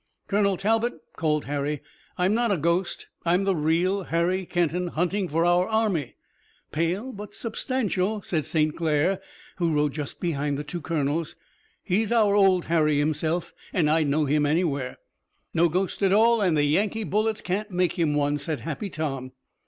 "Colonel Talbot," called Harry, "I'm not a ghost. I'm the real Harry Kenton, hunting for our army." "Pale but substantial," said St. Clair, who rode just behind the two colonels. "He's our old Harry himself, and I'd know him anywhere." "No ghost at all and the Yankee bullets can't make him one," said Happy Tom.